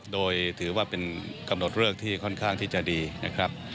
โดยถือว่าเป็นกำหนดเลือกที่ค่อนข้างที่จะดีนะครับ